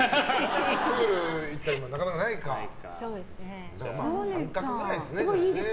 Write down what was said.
プール行ったりもなかなかないですかね。